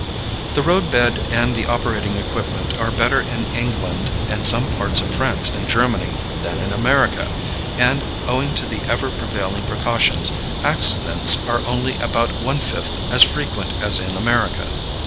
The road bed and the operating equipment are better in England and some parts of France and Germany than in America, and, owing to the ever prevailing precautions, accidents are only about one fifth as frequent as in America.